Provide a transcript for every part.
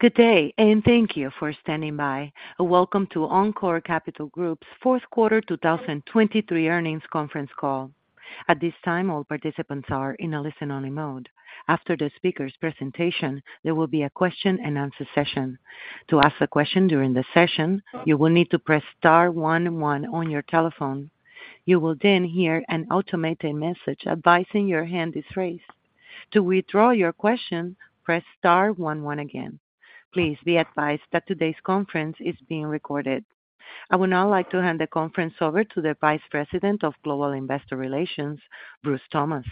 Good day, and thank you for standing by. Welcome to Encore Capital Group's fourth quarter 2023 earnings conference call. At this time, all participants are in a listen-only mode. After the speaker's presentation, there will be a question-and-answer session. To ask a question during the session, you will need to press star one one on your telephone. You will then hear an automated message advising your hand is raised. To withdraw your question, press star one one again. Please be advised that today's conference is being recorded. I would now like to hand the conference over to the Vice President of Global Investor Relations, Bruce Thomas.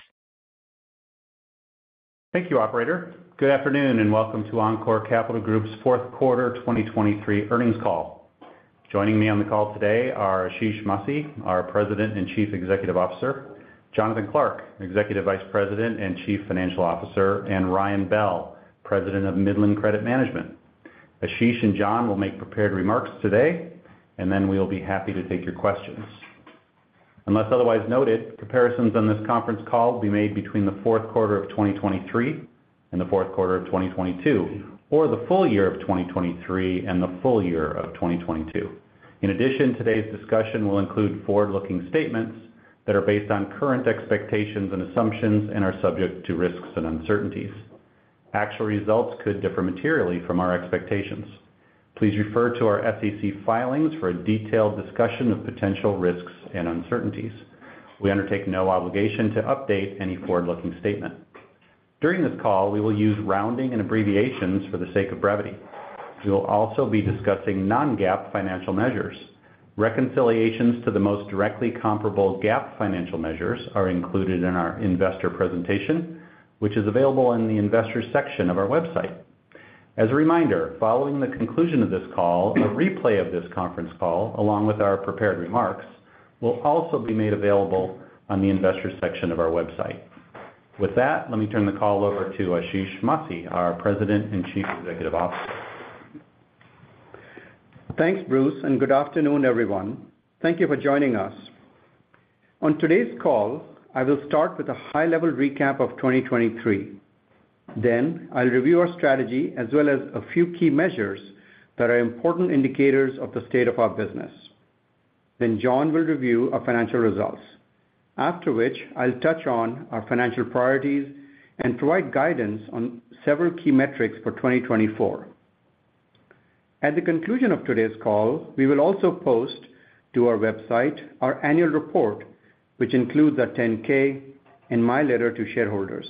Thank you, operator. Good afternoon, and welcome to Encore Capital Group's fourth quarter 2023 earnings call. Joining me on the call today are Ashish Masih, our President and Chief Executive Officer; Jonathan Clark, Executive Vice President and Chief Financial Officer; and Ryan Bell, President of Midland Credit Management. Ashish and John will make prepared remarks today, and then we'll be happy to take your questions. Unless otherwise noted, comparisons on this conference call will be made between the fourth quarter of 2023 and the fourth quarter of 2022, or the full year of 2023 and the full year of 2022. In addition, today's discussion will include forward-looking statements that are based on current expectations and assumptions and are subject to risks and uncertainties. Actual results could differ materially from our expectations. Please refer to our SEC filings for a detailed discussion of potential risks and uncertainties. We undertake no obligation to update any forward-looking statement. During this call, we will use rounding and abbreviations for the sake of brevity. We will also be discussing non-GAAP financial measures. Reconciliations to the most directly comparable GAAP financial measures are included in our investor presentation, which is available in the Investors section of our website. As a reminder, following the conclusion of this call, a replay of this conference call, along with our prepared remarks, will also be made available on the Investors section of our website. With that, let me turn the call over to Ashish Masih, our President and Chief Executive Officer. Thanks, Bruce, and good afternoon, everyone. Thank you for joining us. On today's call, I will start with a high-level recap of 2023. Then I'll review our strategy as well as a few key measures that are important indicators of the state of our business. Then John will review our financial results, after which I'll touch on our financial priorities and provide guidance on several key metrics for 2024. At the conclusion of today's call, we will also post to our website our annual report, which includes our 10-K and my letter to shareholders.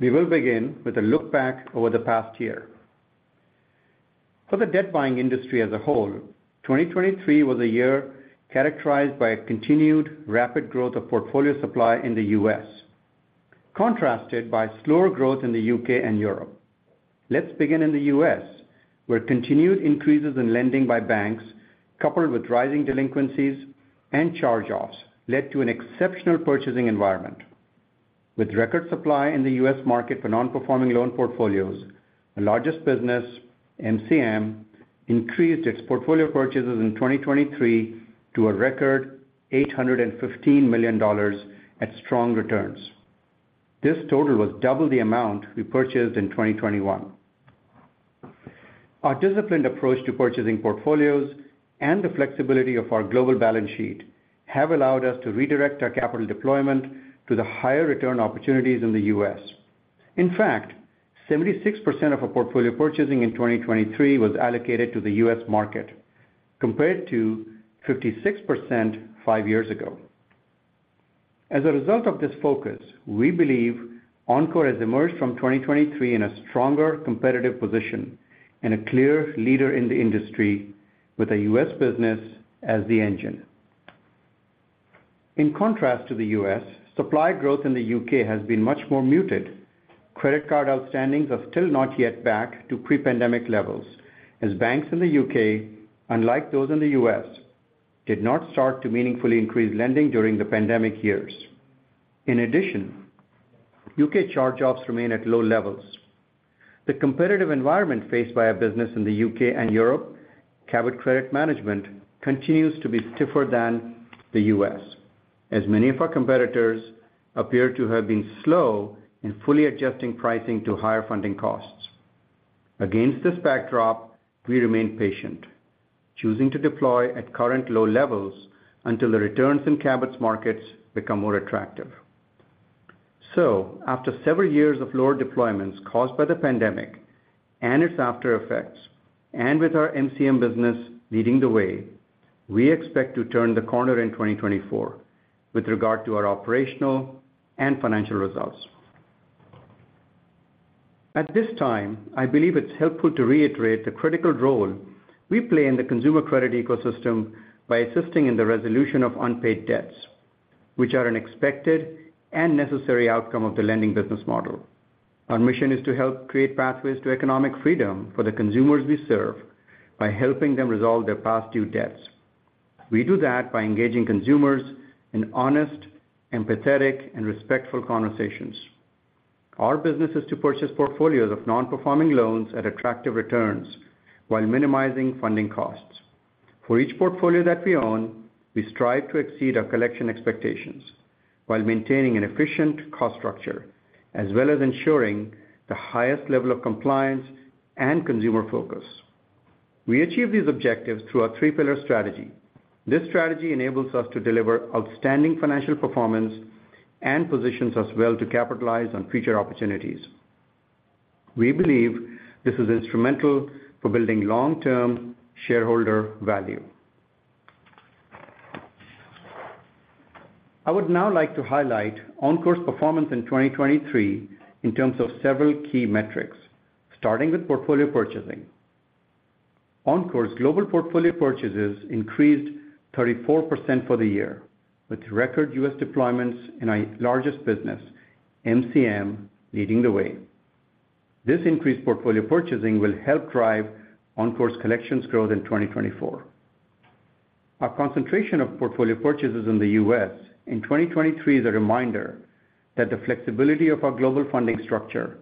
We will begin with a look back over the past year. For the debt buying industry as a whole, 2023 was a year characterized by a continued rapid growth of portfolio supply in the U.S., contrasted by slower growth in the U.K. and Europe. Let's begin in the U.S., where continued increases in lending by banks, coupled with rising delinquencies and charge-offs, led to an exceptional purchasing environment. With record supply in the U.S. market for non-performing loan portfolios, the largest business, MCM, increased its portfolio purchases in 2023 to a record $815 million at strong returns. This total was double the amount we purchased in 2021. Our disciplined approach to purchasing portfolios and the flexibility of our global balance sheet have allowed us to redirect our capital deployment to the higher return opportunities in the U.S. In fact, 76% of our portfolio purchasing in 2023 was allocated to the U.S. market, compared to 56% five years ago. As a result of this focus, we believe Encore has emerged from 2023 in a stronger competitive position and a clear leader in the industry with the U.S. business as the engine. In contrast to the U.S., supply growth in the U.K. has been much more muted. Credit card outstandings are still not yet back to pre-pandemic levels, as banks in the U.K., unlike those in the U.S., did not start to meaningfully increase lending during the pandemic years. In addition, U.K. charge-offs remain at low levels. The competitive environment faced by our business in the U.K. and Europe, Cabot Credit Management, continues to be stiffer than the U.S., as many of our competitors appear to have been slow in fully adjusting pricing to higher funding costs. Against this backdrop, we remain patient, choosing to deploy at current low levels until the returns in Cabot's markets become more attractive. So after several years of lower deployments caused by the pandemic and its aftereffects, and with our MCM business leading the way, we expect to turn the corner in 2024 with regard to our operational and financial results. At this time, I believe it's helpful to reiterate the critical role we play in the consumer credit ecosystem by assisting in the resolution of unpaid debts, which are an expected and necessary outcome of the lending business model. Our mission is to help create pathways to economic freedom for the consumers we serve by helping them resolve their past due debts. We do that by engaging consumers in honest, empathetic, and respectful conversations. Our business is to purchase portfolios of non-performing loans at attractive returns while minimizing funding costs. For each portfolio that we own, we strive to exceed our collection expectations, while maintaining an efficient cost structure, as well as ensuring the highest level of compliance and consumer focus. We achieve these objectives through our three-pillar strategy. This strategy enables us to deliver outstanding financial performance and positions us well to capitalize on future opportunities. We believe this is instrumental for building long-term shareholder value. I would now like to highlight Encore's performance in 2023 in terms of several key metrics, starting with portfolio purchasing. Encore's global portfolio purchases increased 34% for the year, with record U.S. deployments in our largest business, MCM, leading the way. This increased portfolio purchasing will help drive Encore's collections growth in 2024. Our concentration of portfolio purchases in the U.S. in 2023 is a reminder that the flexibility of our global funding structure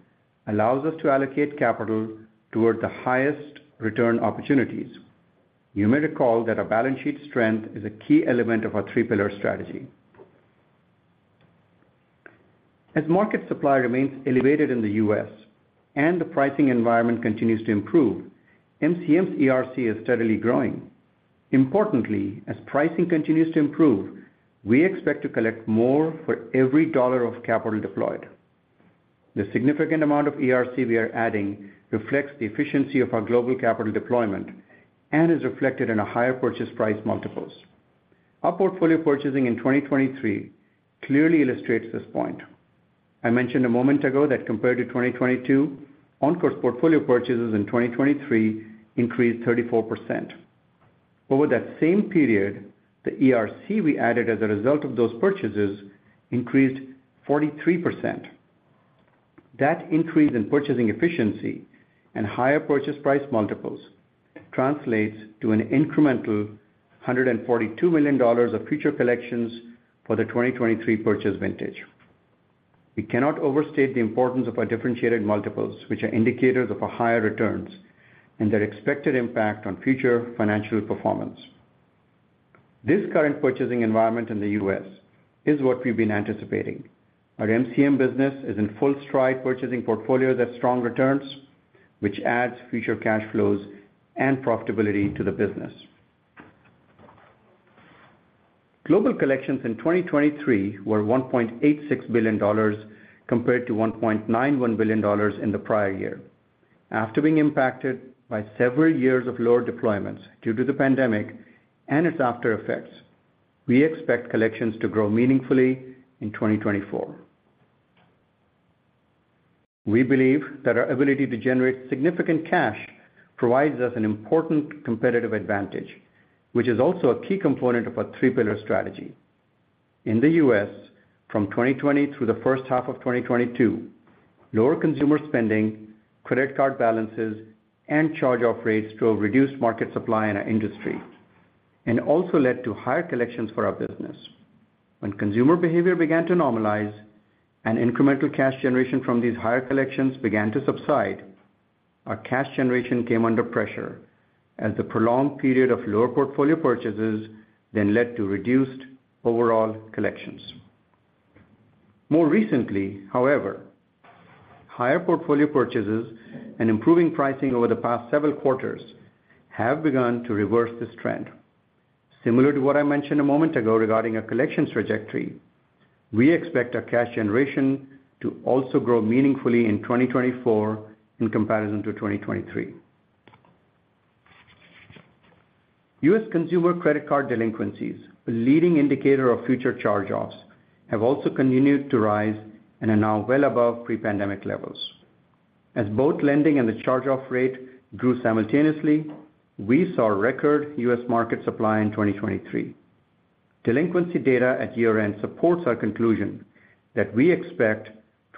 allows us to allocate capital toward the highest return opportunities. You may recall that our balance sheet strength is a key element of our three-pillar strategy. As market supply remains elevated in the U.S. and the pricing environment continues to improve, MCM's ERC is steadily growing. Importantly, as pricing continues to improve, we expect to collect more for every $1 of capital deployed. The significant amount of ERC we are adding reflects the efficiency of our global capital deployment and is reflected in a higher purchase price multiples. Our portfolio purchasing in 2023 clearly illustrates this point. I mentioned a moment ago that compared to 2022, Encore's portfolio purchases in 2023 increased 34%. Over that same period, the ERC we added as a result of those purchases increased 43%. That increase in purchasing efficiency and higher purchase price multiples translates to an incremental $142 million of future collections for the 2023 purchase vintage. We cannot overstate the importance of our differentiated multiples, which are indicators of a higher returns and their expected impact on future financial performance. This current purchasing environment in the U.S. is what we've been anticipating. Our MCM business is in full stride, purchasing portfolios at strong returns, which adds future cash flows and profitability to the business. Global collections in 2023 were $1.86 billion, compared to $1.91 billion in the prior year. After being impacted by several years of lower deployments due to the pandemic and its aftereffects, we expect collections to grow meaningfully in 2024. We believe that our ability to generate significant cash provides us an important competitive advantage, which is also a key component of our three-pillar strategy. In the U.S., from 2020 through the first half of 2022, lower consumer spending, credit card balances, and charge-off rates drove reduced market supply in our industry, and also led to higher collections for our business. When consumer behavior began to normalize and incremental cash generation from these higher collections began to subside, our cash generation came under pressure as the prolonged period of lower portfolio purchases then led to reduced overall collections. More recently, however, higher portfolio purchases and improving pricing over the past several quarters have begun to reverse this trend. Similar to what I mentioned a moment ago regarding a collections trajectory, we expect our cash generation to also grow meaningfully in 2024 in comparison to 2023. U.S. consumer credit card delinquencies, a leading indicator of future charge-offs, have also continued to rise and are now well above pre-pandemic levels. As both lending and the charge-off rate grew simultaneously, we saw record U.S. market supply in 2023. Delinquency data at year-end supports our conclusion that we expect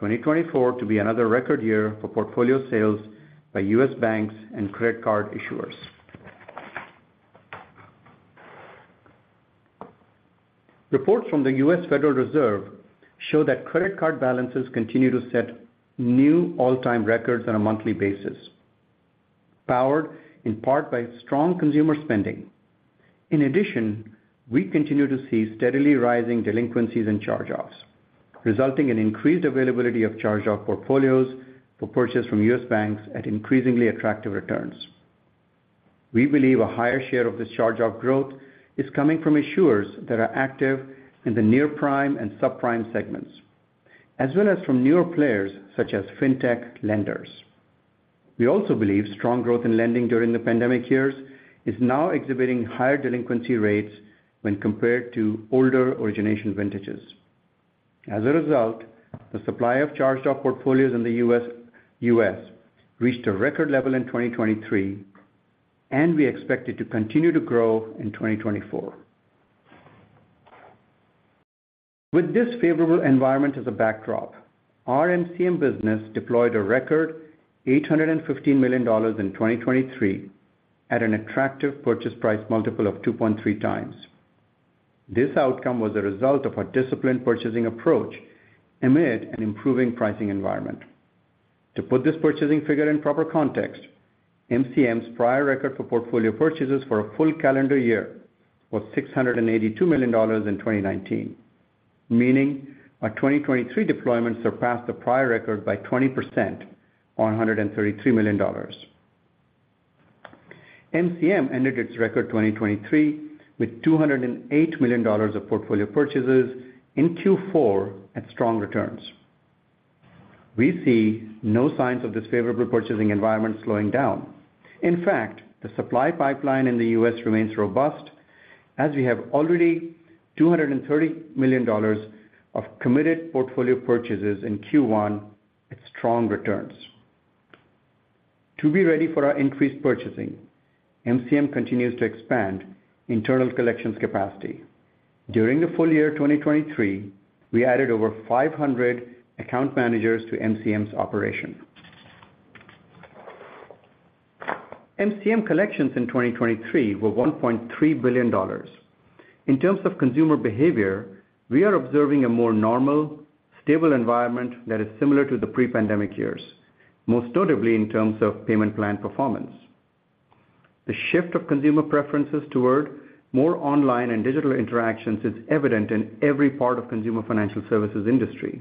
2024 to be another record year for portfolio sales by U.S. banks and credit card issuers. Reports from the U.S. Federal Reserve show that credit card balances continue to set new all-time records on a monthly basis, powered in part by strong consumer spending. In addition, we continue to see steadily rising delinquencies and charge-offs, resulting in increased availability of charge-off portfolios for purchase from U.S. banks at increasingly attractive returns. We believe a higher share of this charge-off growth is coming from issuers that are active in the near-prime and subprime segments, as well as from newer players such as fintech lenders. We also believe strong growth in lending during the pandemic years is now exhibiting higher delinquency rates when compared to older origination vintages. As a result, the supply of charge-off portfolios in the U.S. reached a record level in 2023, and we expect it to continue to grow in 2024. With this favorable environment as a backdrop, our MCM business deployed a record $815 million in 2023 at an attractive purchase price multiple of 2.3x.... This outcome was a result of our disciplined purchasing approach amid an improving pricing environment. To put this purchasing figure in proper context, MCM's prior record for portfolio purchases for a full calendar year was $682 million in 2019, meaning our 2023 deployment surpassed the prior record by 20%, or $133 million. MCM ended its record 2023 with $208 million of portfolio purchases in Q4 at strong returns. We see no signs of this favorable purchasing environment slowing down. In fact, the supply pipeline in the U.S. remains robust, as we have already $230 million of committed portfolio purchases in Q1 at strong returns. To be ready for our increased purchasing, MCM continues to expand internal collections capacity. During the full year 2023, we added over 500 account managers to MCM's operation. MCM collections in 2023 were $1.3 billion. In terms of consumer behavior, we are observing a more normal, stable environment that is similar to the pre-pandemic years, most notably in terms of payment plan performance. The shift of consumer preferences toward more online and digital interactions is evident in every part of consumer financial services industry.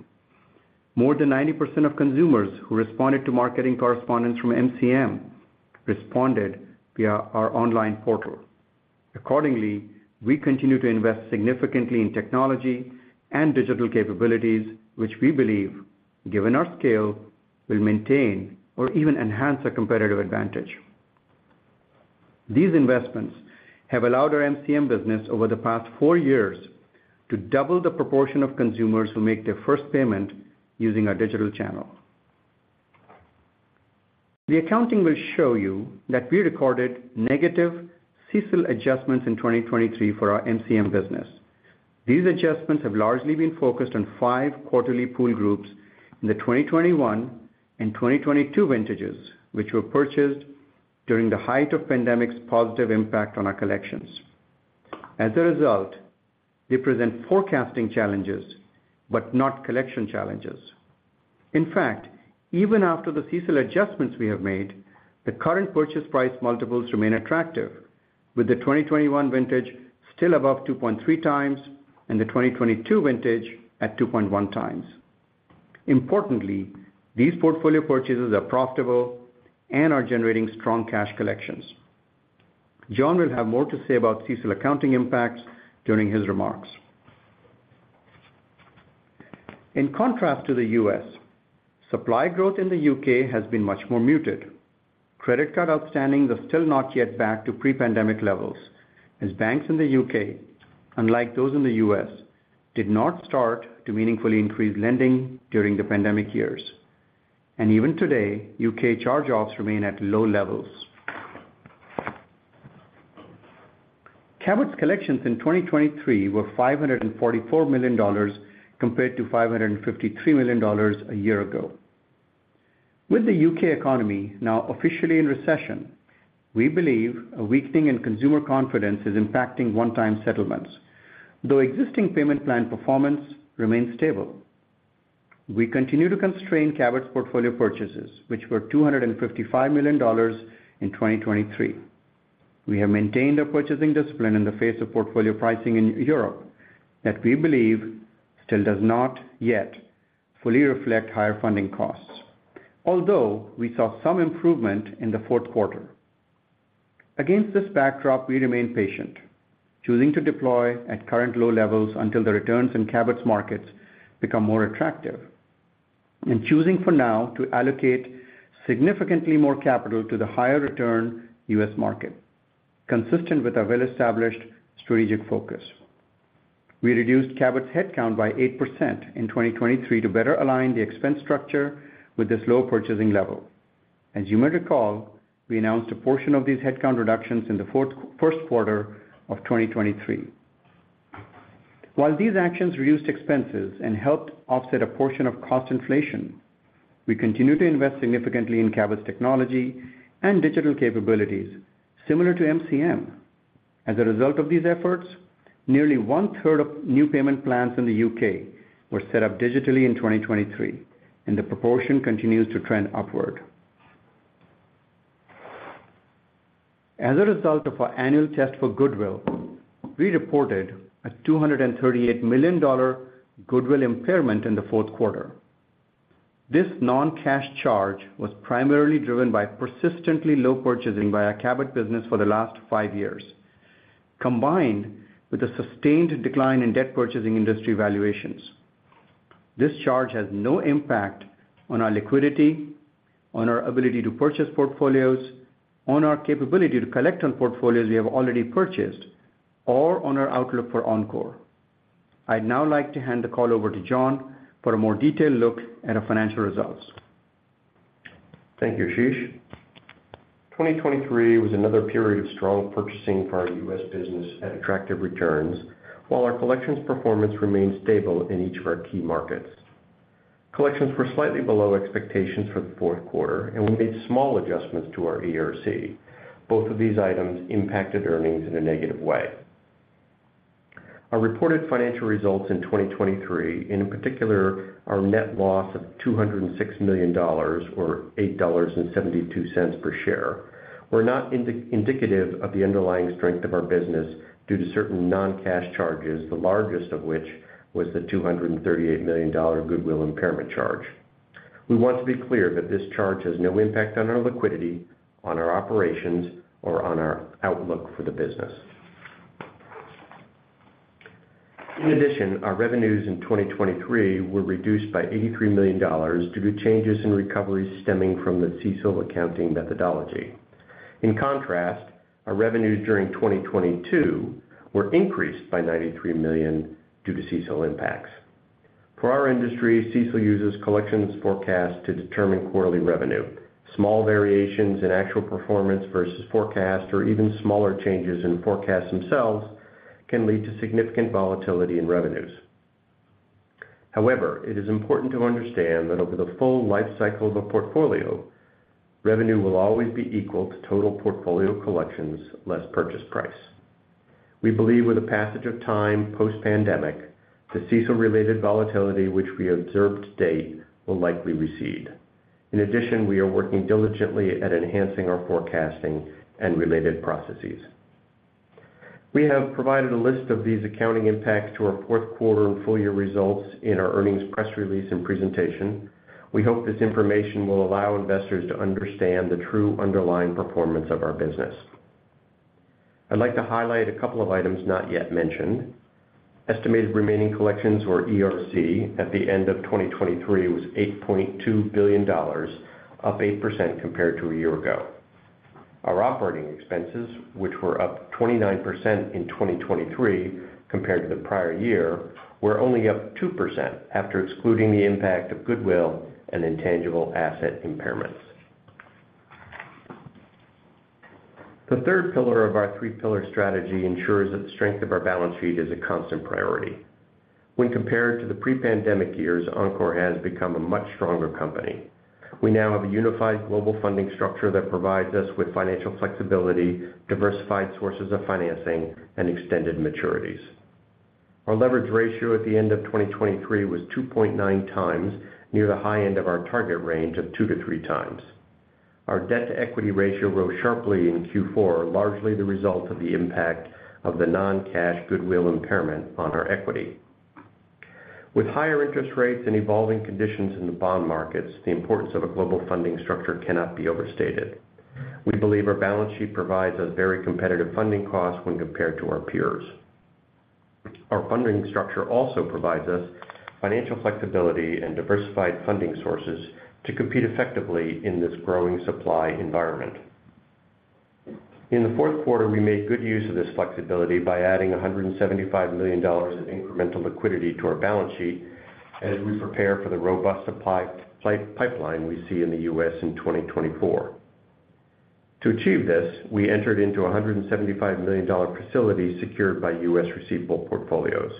More than 90% of consumers who responded to marketing correspondence from MCM responded via our online portal. Accordingly, we continue to invest significantly in technology and digital capabilities, which we believe, given our scale, will maintain or even enhance our competitive advantage. These investments have allowed our MCM business over the past four years to double the proportion of consumers who make their first payment using our digital channel. The accounting will show you that we recorded negative CECL adjustments in 2023 for our MCM business. These adjustments have largely been focused on five quarterly pool groups in the 2021 and 2022 vintages, which were purchased during the height of pandemic's positive impact on our collections. As a result, they present forecasting challenges, but not collection challenges. In fact, even after the CECL adjustments we have made, the current purchase price multiples remain attractive, with the 2021 vintage still above 2.3x and the 2022 vintage at 2.1x. Importantly, these portfolio purchases are profitable and are generating strong cash collections. John will have more to say about CECL accounting impacts during his remarks. In contrast to the U.S., supply growth in the U.K. has been much more muted. Credit card outstandings are still not yet back to pre-pandemic levels, as banks in the U.K., unlike those in the U.S., did not start to meaningfully increase lending during the pandemic years. Even today, U.K. charge-offs remain at low levels. Cabot's collections in 2023 were $544 million, compared to $553 million a year ago. With the U.K. economy now officially in recession, we believe a weakening in consumer confidence is impacting one-time settlements, though existing payment plan performance remains stable. We continue to constrain Cabot's portfolio purchases, which were $255 million in 2023. We have maintained our purchasing discipline in the face of portfolio pricing in Europe that we believe still does not yet fully reflect higher funding costs, although we saw some improvement in the fourth quarter. Against this backdrop, we remain patient, choosing to deploy at current low levels until the returns in Cabot's markets become more attractive, and choosing for now to allocate significantly more capital to the higher-return U.S. market, consistent with our well-established strategic focus. We reduced Cabot's headcount by 8% in 2023 to better align the expense structure with this low purchasing level. As you might recall, we announced a portion of these headcount reductions in the first quarter of 2023. While these actions reduced expenses and helped offset a portion of cost inflation, we continue to invest significantly in Cabot's technology and digital capabilities, similar to MCM. As a result of these efforts, nearly one-third of new payment plans in the U.K. were set up digitally in 2023, and the proportion continues to trend upward. As a result of our annual test for goodwill, we reported a $238 million goodwill impairment in the fourth quarter. This non-cash charge was primarily driven by persistently low purchasing by our Cabot business for the last five years, combined with a sustained decline in debt purchasing industry valuations. This charge has no impact on our liquidity, on our ability to purchase portfolios, on our capability to collect on portfolios we have already purchased, or on our outlook for Encore. I'd now like to hand the call over to John for a more detailed look at our financial results. Thank you, Ashish. 2023 was another period of strong purchasing for our U.S. business at attractive returns, while our collections performance remained stable in each of our key markets. ...Collections were slightly below expectations for the fourth quarter, and we made small adjustments to our ERC. Both of these items impacted earnings in a negative way. Our reported financial results in 2023, and in particular, our net loss of $206 million or $8.72 per share, were not indicative of the underlying strength of our business due to certain non-cash charges, the largest of which was the $238 million goodwill impairment charge. We want to be clear that this charge has no impact on our liquidity, on our operations, or on our outlook for the business. In addition, our revenues in 2023 were reduced by $83 million due to changes in recoveries stemming from the CECL accounting methodology. In contrast, our revenues during 2022 were increased by $93 million due to CECL impacts. For our industry, CECL uses collections forecast to determine quarterly revenue. Small variations in actual performance versus forecast or even smaller changes in forecasts themselves can lead to significant volatility in revenues. However, it is important to understand that over the full life cycle of a portfolio, revenue will always be equal to total portfolio collections less purchase price. We believe with the passage of time post-pandemic, the CECL-related volatility, which we observed to date, will likely recede. In addition, we are working diligently at enhancing our forecasting and related processes. We have provided a list of these accounting impacts to our fourth quarter and full year results in our earnings press release and presentation. We hope this information will allow investors to understand the true underlying performance of our business. I'd like to highlight a couple of items not yet mentioned. Estimated remaining collections, or ERC, at the end of 2023 was $8.2 billion, up 8% compared to a year ago. Our operating expenses, which were up 29% in 2023 compared to the prior year, were only up 2% after excluding the impact of goodwill and intangible asset impairments. The third pillar of our three-pillar strategy ensures that the strength of our balance sheet is a constant priority. When compared to the pre-pandemic years, Encore has become a much stronger company. We now have a unified global funding structure that provides us with financial flexibility, diversified sources of financing, and extended maturities. Our leverage ratio at the end of 2023 was 2.9x, near the high end of our target range of two to 3x. Our debt-to-equity ratio rose sharply in Q4, largely the result of the impact of the non-cash goodwill impairment on our equity. With higher interest rates and evolving conditions in the bond markets, the importance of a global funding structure cannot be overstated. We believe our balance sheet provides us very competitive funding costs when compared to our peers. Our funding structure also provides us financial flexibility and diversified funding sources to compete effectively in this growing supply environment. In the fourth quarter, we made good use of this flexibility by adding $175 million of incremental liquidity to our balance sheet as we prepare for the robust supply pipeline we see in the U.S. in 2024. To achieve this, we entered into a $175 million facility secured by U.S. receivable portfolios.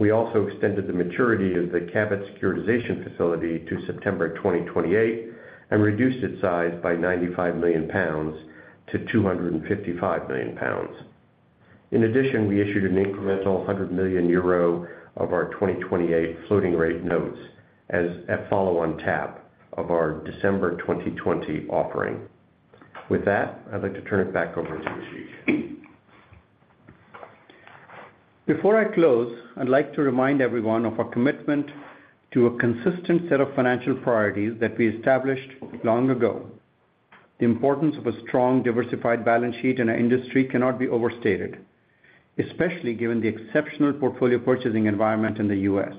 We also extended the maturity of the Cabot securitization facility to September 2028 and reduced its size by 95 million pounds to 255 million pounds. In addition, we issued an incremental 100 million euro of our 2028 floating rate notes as a follow-on tap of our December 2020 offering. With that, I'd like to turn it back over to Ashish. Before I close, I'd like to remind everyone of our commitment to a consistent set of financial priorities that we established long ago. The importance of a strong, diversified balance sheet in our industry cannot be overstated, especially given the exceptional portfolio purchasing environment in the U.S.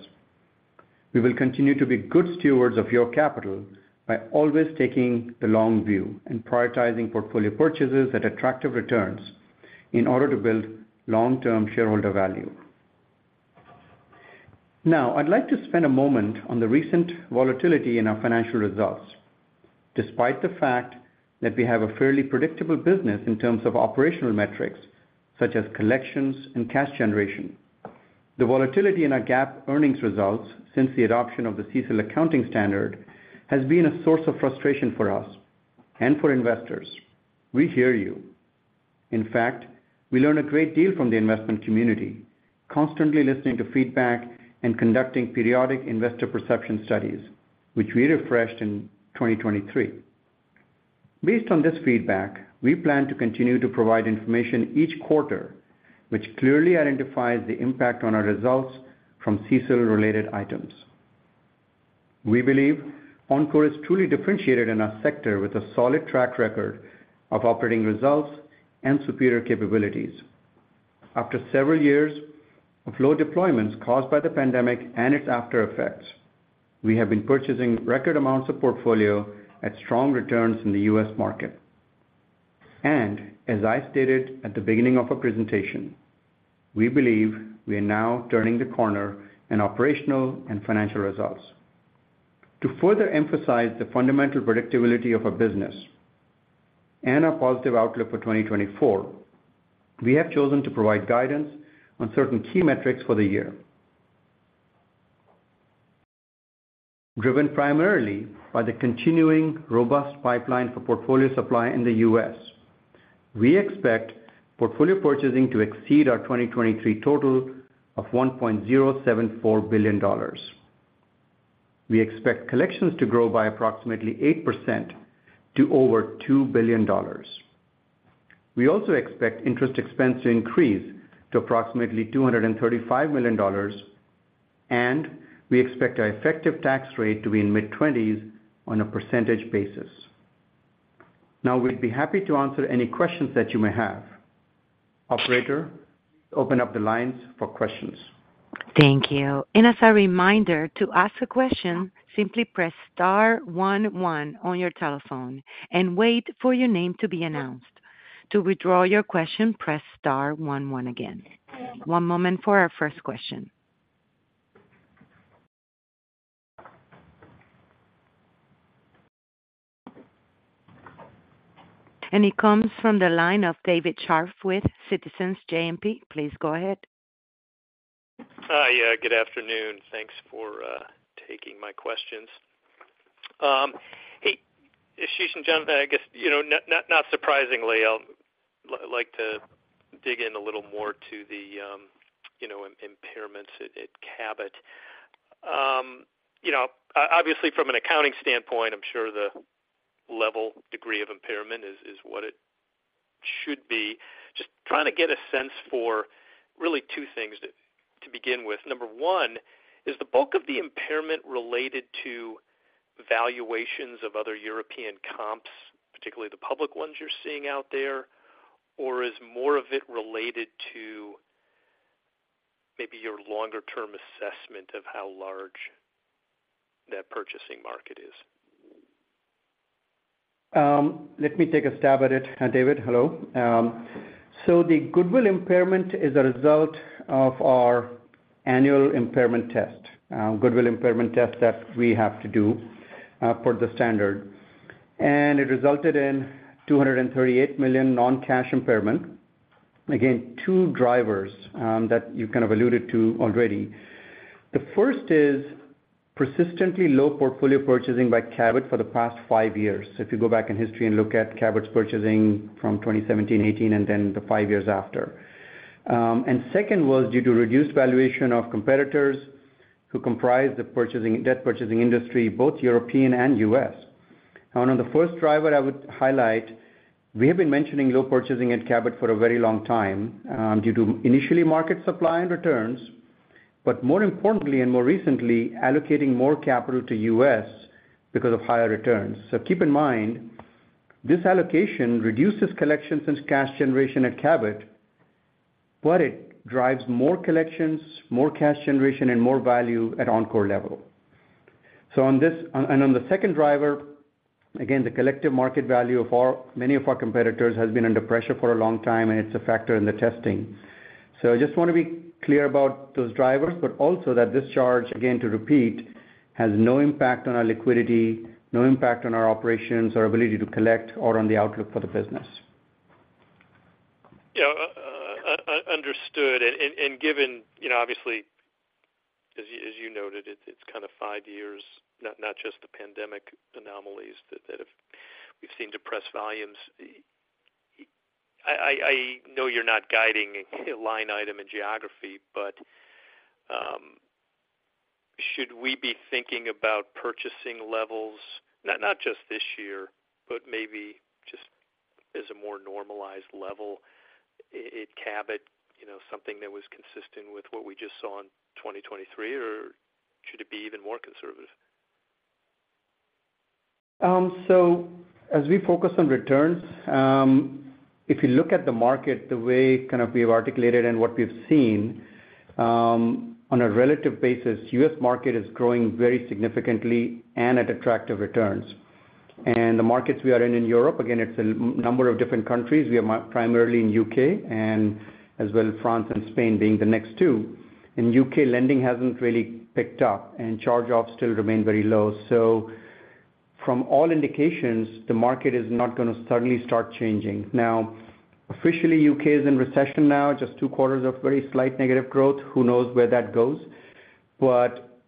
We will continue to be good stewards of your capital by always taking the long view and prioritizing portfolio purchases at attractive returns in order to build long-term shareholder value. Now, I'd like to spend a moment on the recent volatility in our financial results. Despite the fact that we have a fairly predictable business in terms of operational metrics, such as collections and cash generation, the volatility in our GAAP earnings results since the adoption of the CECL accounting standard has been a source of frustration for us and for investors. We hear you. In fact, we learn a great deal from the investment community, constantly listening to feedback and conducting periodic investor perception studies, which we refreshed in 2023. Based on this feedback, we plan to continue to provide information each quarter, which clearly identifies the impact on our results from CECL-related items. We believe Encore is truly differentiated in our sector with a solid track record of operating results and superior capabilities. After several years of low deployments caused by the pandemic and its aftereffects, we have been purchasing record amounts of portfolio at strong returns in the U.S. market. As I stated at the beginning of our presentation, we believe we are now turning the corner in operational and financial results. To further emphasize the fundamental predictability of our business-... Our positive outlook for 2024, we have chosen to provide guidance on certain key metrics for the year. Driven primarily by the continuing robust pipeline for portfolio supply in the U.S., we expect portfolio purchasing to exceed our 2023 total of $1.074 billion. We expect collections to grow by approximately 8% to over $2 billion. We also expect interest expense to increase to approximately $235 million, and we expect our effective tax rate to be in the mid-20s on a percentage basis. Now, we'd be happy to answer any questions that you may have. Operator, open up the lines for questions. Thank you. And as a reminder, to ask a question, simply press star one one on your telephone and wait for your name to be announced. To withdraw your question, press star one one again. One moment for our first question. And it comes from the line of David Scharf with Citizens JMP. Please go ahead. Hi. Yeah, good afternoon. Thanks for taking my questions. Hey, Ashish and Jonathan, I guess, you know, not surprisingly, I'd like to dig in a little more to the, you know, impairments at Cabot. You know, obviously from an accounting standpoint, I'm sure the level degree of impairment is what it should be. Just trying to get a sense for really two things to begin with. Number one, is the bulk of the impairment related to valuations of other European comps, particularly the public ones you're seeing out there? Or is more of it related to maybe your longer-term assessment of how large that purchasing market is? Let me take a stab at it. Hi, David. Hello. So the goodwill impairment is a result of our annual impairment test, goodwill impairment test that we have to do, per the standard, and it resulted in $238 million non-cash impairment. Again, two drivers, that you kind of alluded to already. The first is persistently low portfolio purchasing by Cabot for the past five years. So if you go back in history and look at Cabot's purchasing from 2017, 2018, and then the five years after. And second was due to reduced valuation of competitors who comprise the purchasing debt purchasing industry, both European and U.S. Now, on the first driver, I would highlight, we have been mentioning low purchasing at Cabot for a very long time, due to initially market supply and returns, but more importantly and more recently, allocating more capital to U.S. because of higher returns. Keep in mind, this allocation reduces collections and cash generation at Cabot, but it drives more collections, more cash generation, and more value at Encore level. On this and on the second driver, again, the collective market value of our many of our competitors has been under pressure for a long time, and it's a factor in the testing. I just want to be clear about those drivers, but also that this charge, again, to repeat, has no impact on our liquidity, no impact on our operations, our ability to collect, or on the outlook for the business. Understood. And given, you know, obviously, as you noted, it's kind of five years, not just the pandemic anomalies that have we've seen depressed volumes. I know you're not guiding line item and geography, but should we be thinking about purchasing levels, not just this year, but maybe just as a more normalized level in Cabot, you know, something that was consistent with what we just saw in 2023, or should it be even more conservative? So as we focus on returns, if you look at the market the way kind of we've articulated and what we've seen, on a relative basis, U.S. market is growing very significantly and at attractive returns. And the markets we are in, in Europe, again, it's a number of different countries. We are primarily in U.K. and as well as France and Spain being the next two. In U.K., lending hasn't really picked up, and charge-offs still remain very low. So from all indications, the market is not gonna suddenly start changing. Now, officially, U.K. is in recession now, just two quarters of very slight negative growth. Who knows where that goes? But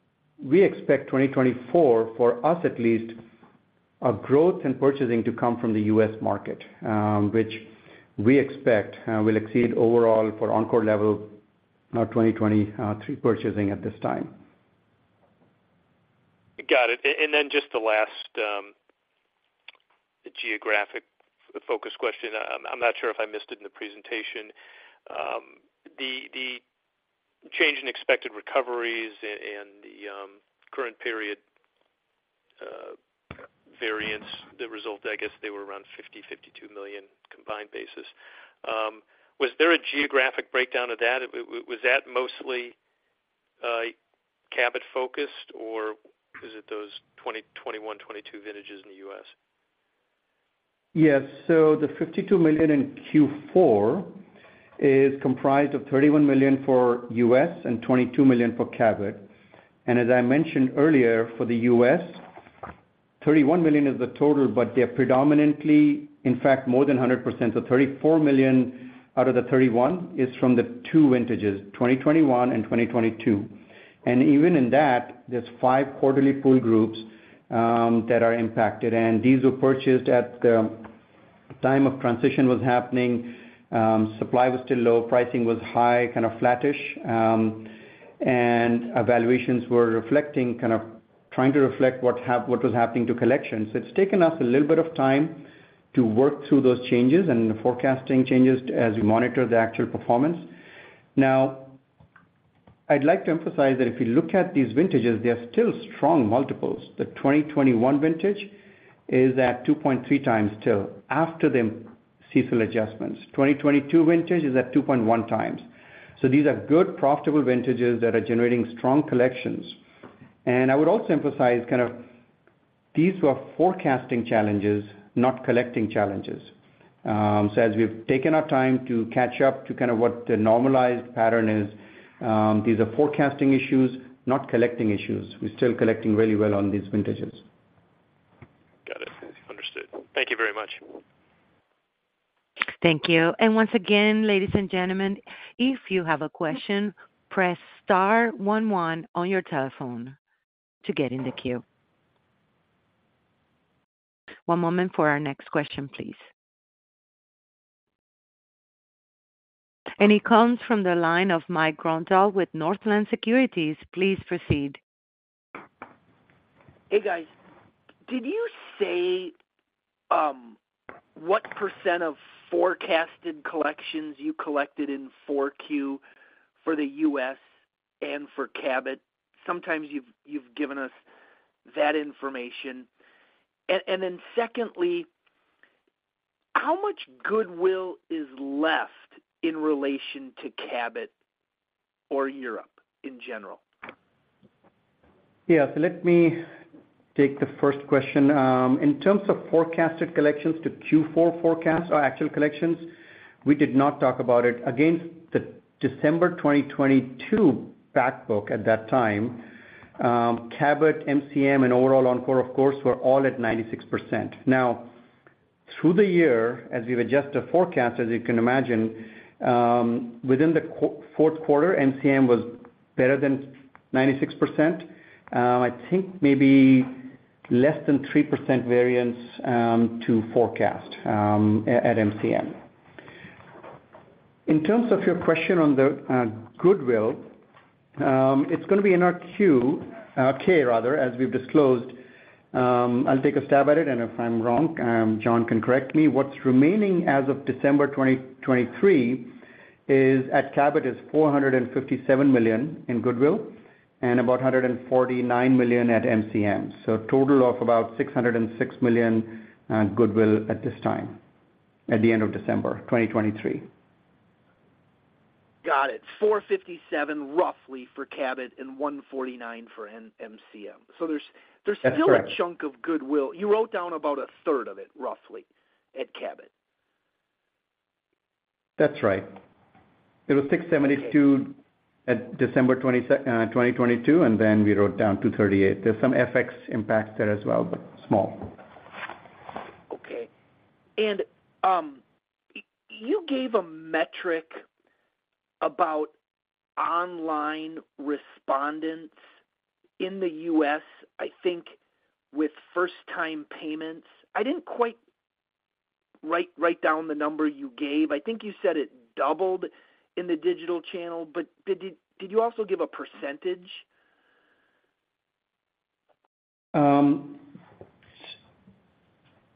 we expect 2024, for us at least, our growth and purchasing to come from the U.S. market, which we expect will exceed overall for Encore level, 2023 purchasing at this time. Got it. And then just the last geographic focus question. I'm not sure if I missed it in the presentation. The change in expected recoveries and the current period variance, the result, I guess they were around $50 million-$52 million combined basis. Was there a geographic breakdown of that? Was that mostly Cabot focused, or is it those 2021 to 2022 vintages in the U.S.? Yes. So the $52 million in Q4 is comprised of $31 million for U.S. and $22 million for Cabot. And as I mentioned earlier, for the U.S., $31 million is the total, but they're predominantly, in fact, more than 100%. So $34 million out of the $31 million is from the two vintages, 2021 and 2022. And even in that, there's five quarterly pool groups that are impacted, and these were purchased at the time of transition was happening, supply was still low, pricing was high, kind of flattish, and evaluations were reflecting, kind of trying to reflect what was happening to collections. It's taken us a little bit of time to work through those changes and the forecasting changes as we monitor the actual performance. Now, I'd like to emphasize that if you look at these vintages, they are still strong multiples. The 2021 vintage is at 2.3x still, after the CECL adjustments. 2022 vintage is at 2.1x. So these are good, profitable vintages that are generating strong collections. And I would also emphasize kind of these were forecasting challenges, not collecting challenges. So as we've taken our time to catch up to kind of what the normalized pattern is, these are forecasting issues, not collecting issues. We're still collecting very well on these vintages. Got it. Understood. Thank you very much. Thank you. Once again, ladies and gentlemen, if you have a question, press star one one on your telephone to get in the queue. One moment for our next question, please. It comes from the line of Mike Grondahl with Northland Securities. Please proceed. Hey, guys. Did you say what % of forecasted collections you collected in 4Q for the US and for Cabot? Sometimes you've given us that information. Then secondly, how much goodwill is left in relation to Cabot or Europe in general? Yeah, so let me take the first question. In terms of forecasted collections to Q4 forecast or actual collections, we did not talk about it. Again, the December 2022 back book at that time, Cabot, MCM, and overall Encore, of course, were all at 96%. Now, through the year, as we've adjusted forecast, as you can imagine, within the fourth quarter, MCM was better than 96%. I think maybe less than 3% variance to forecast at MCM. In terms of your question on the goodwill, it's gonna be in our 10-K rather, as we've disclosed. I'll take a stab at it, and if I'm wrong, John can correct me. What's remaining as of December 2023 is, at Cabot, $457 million in goodwill and about $149 million at MCM. So a total of about $606 million goodwill at this time, at the end of December 2023. Got it. $457, roughly, for Cabot and $149 for MCM. That's right. So there's still a chunk of goodwill. You wrote down about a third of it, roughly, at Cabot. That's right. It was $672 at December 20, 2022, and then we wrote down to $38. There's some FX impact there as well, but small. Okay. And you gave a metric about online respondents in the U.S., I think, with first-time payments. I didn't quite write down the number you gave. I think you said it doubled in the digital channel, but did you also give a percentage?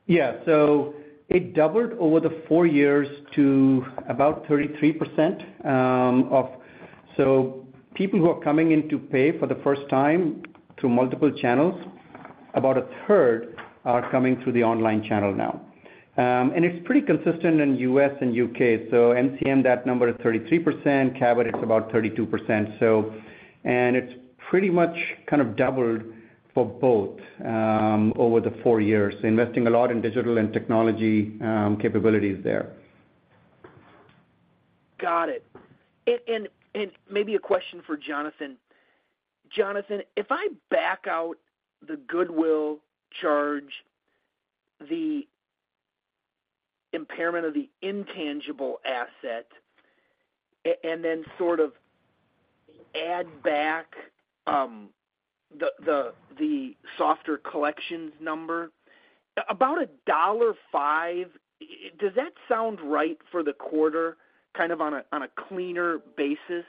Yeah. So it doubled over the four years to about 33%, of... So people who are coming in to pay for the first time through multiple channels, about a third are coming through the online channel now. And it's pretty consistent in U.S. and U.K. So MCM, that number is 33%; Cabot, it's about 32%. So, and it's pretty much kind of doubled for both, over the four years, investing a lot in digital and technology capabilities there. Got it. And maybe a question for Jonathan. Jonathan, if I back out the goodwill charge, the impairment of the intangible asset, and then sort of add back the softer collections number, about $1.05, does that sound right for the quarter, kind of on a cleaner basis?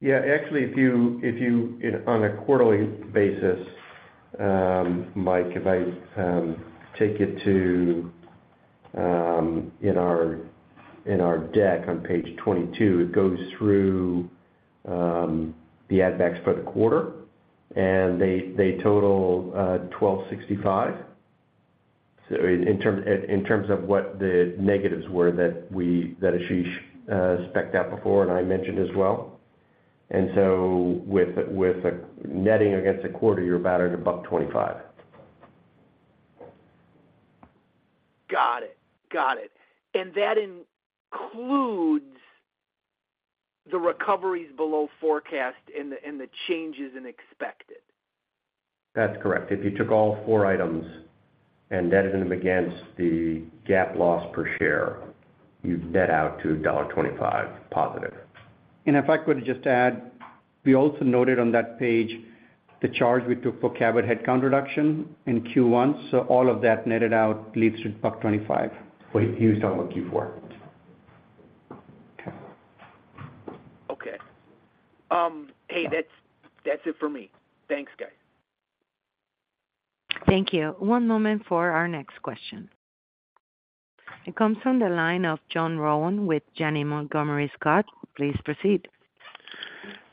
Yeah, actually, on a quarterly basis, Mike, if I take it to in our deck on page 22, it goes through the add backs for the quarter, and they total $12.65. So in terms of what the negatives were that we, that Ashish spec'd out before, and I mentioned as well. And so with a netting against a quarter, you're about at $1.25.... Got it. Got it. And that includes the recoveries below forecast and the, and the changes in expected? That's correct. If you took all four items and netted them against the GAAP loss per share, you'd net out to $25 positive. If I could just add, we also noted on that page the charge we took for Cabot headcount reduction in Q1. All of that netted out leads to $125. Wait, he was talking about Q4. Okay. Okay. Hey, that's, that's it for me. Thanks, guys. Thank you. One moment for our next question. It comes from the line of John Rowan with Janney Montgomery Scott. Please proceed.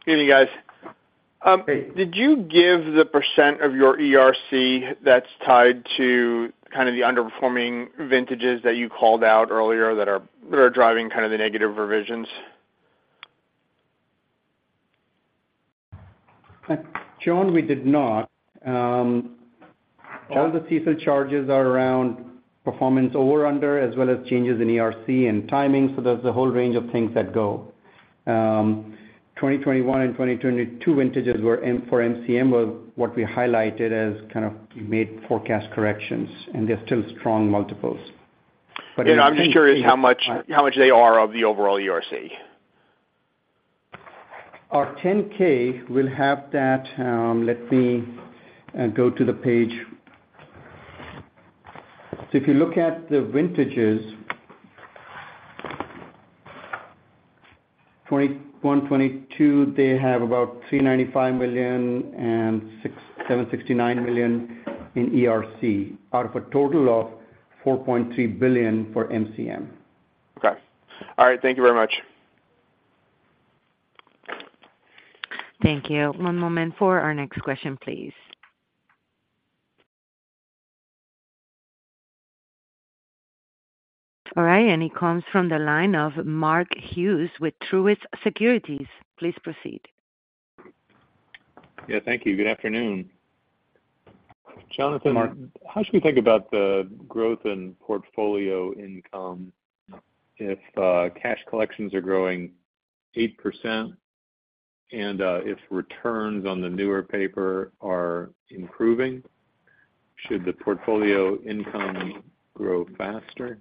Good evening, guys. Hey. Did you give the percent of your ERC that's tied to kind of the underperforming vintages that you called out earlier, that are driving kind of the negative revisions? John, we did not. All the CECL charges are around performance over/under, as well as changes in ERC and timing, so there's a whole range of things that go. 2021 and 2022 vintages for MCM were what we highlighted as kind of we made forecast corrections, and they're still strong multiples. But- Yeah, I'm just curious how much, how much they are of the overall ERC. Our 10-K will have that. Let me go to the page. So if you look at the vintages, 2021, 2022, they have about $395 million and $679 million in ERC, out of a total of $4.3 billion for MCM. Okay. All right, thank you very much. Thank you. One moment for our next question, please. All right, and it comes from the line of Mark Hughes with Truist Securities. Please proceed. Yeah, thank you. Good afternoon. Jonathan- Clark. How should we think about the growth in portfolio income if cash collections are growing 8%, and if returns on the newer paper are improving, should the portfolio income grow faster?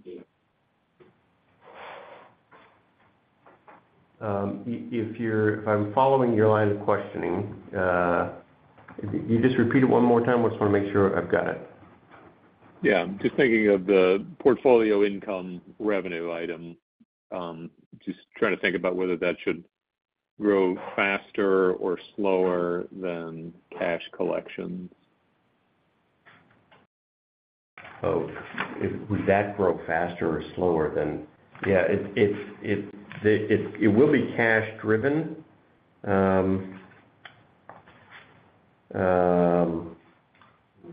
If I'm following your line of questioning, can you just repeat it one more time? I just wanna make sure I've got it. Yeah. Just thinking of the portfolio income revenue item, just trying to think about whether that should grow faster or slower than cash collections. Oh, would that grow faster or slower than... Yeah, it will be cash driven.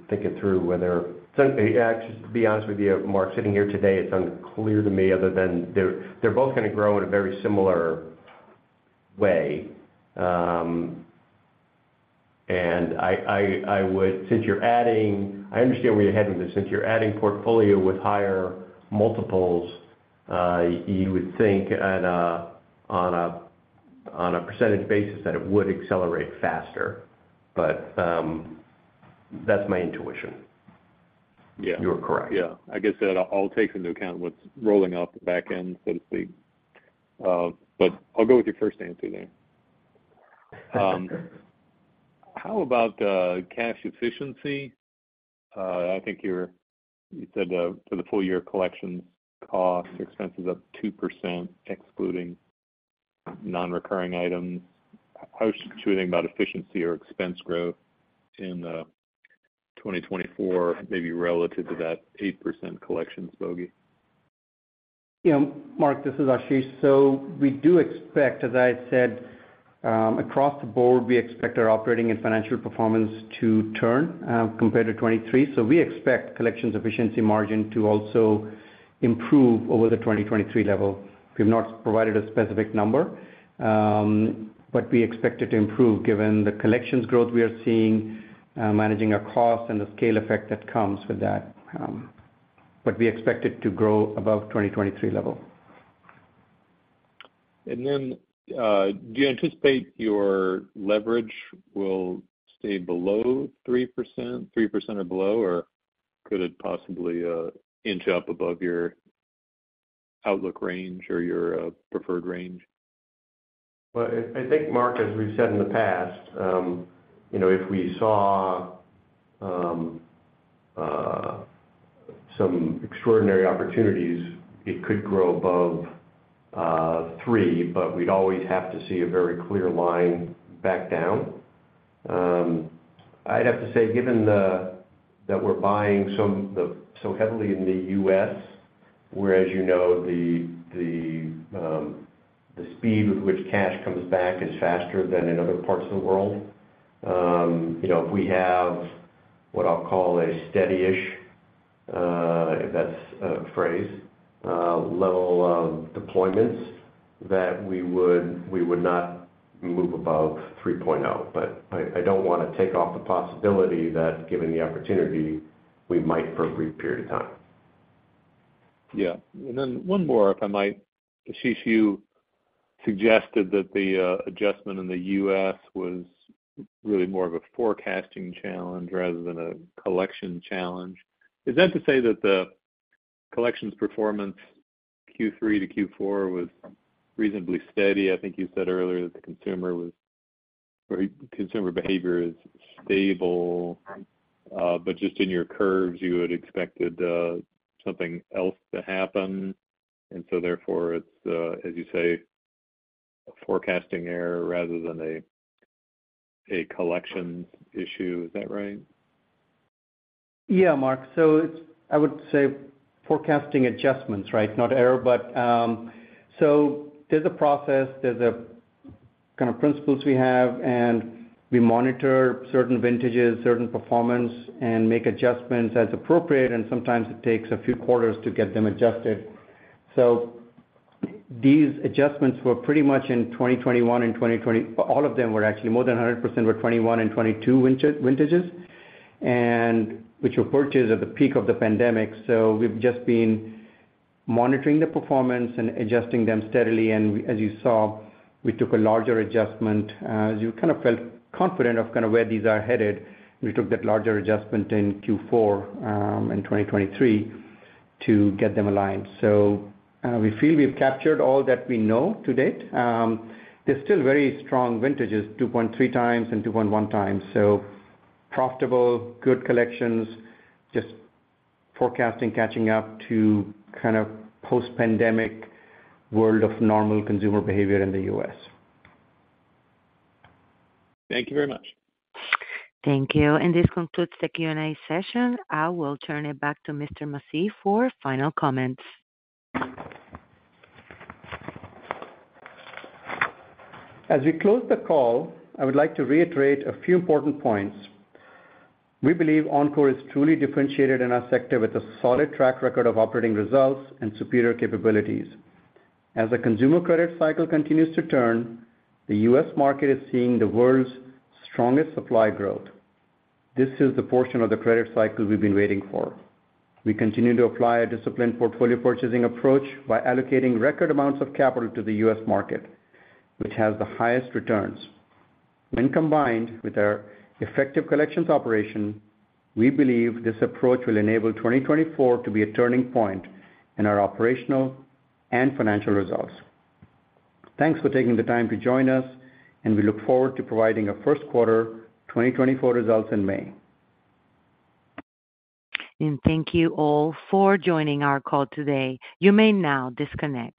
Thinking through whether—so, yeah, just to be honest with you, Mark, sitting here today, it's unclear to me, other than they're both gonna grow in a very similar way. And I understand where you're heading with this. Since you're adding portfolio with higher multiples, you would think on a percentage basis, that it would accelerate faster. But, that's my intuition. Yeah. You are correct. Yeah. I guess that all takes into account what's rolling off the back end, so to speak. But I'll go with your first answer then. How about cash efficiency? I think you're-- you said for the full year, collection cost, expenses up 2%, excluding non-recurring items. How should we think about efficiency or expense growth in 2024, maybe relative to that 8% collections bogey? Yeah, Mark, this is Ashish. So we do expect, as I said, across the board, we expect our operating and financial performance to turn, compared to 2023. So we expect collections efficiency margin to also improve over the 2023 level. We've not provided a specific number, but we expect it to improve given the collections growth we are seeing, managing our costs and the scale effect that comes with that. But we expect it to grow above 2023 level. And then, do you anticipate your leverage will stay below 3%, 3% or below? Or could it possibly inch up above your outlook range or your preferred range? Well, I think, Mark, as we've said in the past, you know, if we saw some extraordinary opportunities, it could grow above three, but we'd always have to see a very clear line back down. I'd have to say, given that we're buying so heavily in the U.S., where, as you know, the speed with which cash comes back is faster than in other parts of the world, you know, if we have what I'll call a steady-ish, if that's a phrase, level of deployments, that we would not move above 3.0. But I don't wanna take off the possibility that, given the opportunity, we might for a brief period of time. Yeah. And then one more, if I might. Ashish, you suggested that the adjustment in the U.S. was really more of a forecasting challenge rather than a collection challenge. Is that to say that the collections performance Q3 to Q4 was reasonably steady? I think you said earlier that the consumer was—or consumer behavior is stable, but just in your curves, you had expected something else to happen, and so therefore it's, as you say, a forecasting error rather than a collection issue. Is that right? Yeah, Mark. So it's, I would say forecasting adjustments, right? Not error. But so there's a process, there's a kind of principles we have, and we monitor certain vintages, certain performance, and make adjustments as appropriate, and sometimes it takes a few quarters to get them adjusted. So these adjustments were pretty much in 2021 and 2022, all of them were actually, more than 100%, were 2021 and 2022 vintages, and which were purchased at the peak of the pandemic. So we've just been monitoring the performance and adjusting them steadily. And as you saw, we took a larger adjustment. As you kind of felt confident of kind of where these are headed, we took that larger adjustment in Q4, in 2023, to get them aligned. So we feel we've captured all that we know to date. There's still very strong vintages, 2.3x and 2.1x, so profitable, good collections, just forecasting catching up to kind of post-pandemic world of normal consumer behavior in the U.S. Thank you very much. Thank you. This concludes the Q&A session. I will turn it back to Mr. Masih for final comments. As we close the call, I would like to reiterate a few important points. We believe Encore is truly differentiated in our sector with a solid track record of operating results and superior capabilities. As the consumer credit cycle continues to turn, the U.S. market is seeing the world's strongest supply growth. This is the portion of the credit cycle we've been waiting for. We continue to apply a disciplined portfolio purchasing approach by allocating record amounts of capital to the U.S. market, which has the highest returns. When combined with our effective collections operation, we believe this approach will enable 2024 to be a turning point in our operational and financial results. Thanks for taking the time to join us, and we look forward to providing our first quarter 2024 results in May. Thank you all for joining our call today. You may now disconnect.